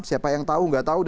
siapa yang tahu nggak tahu